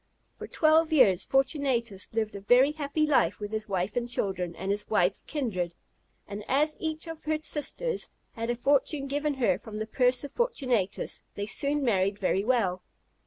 For twelve years Fortunatus lived a very happy life with his wife and children, and his wife's kindred; and as each of her sisters had a fortune given her from the purse of Fortunatus, they soon married very well.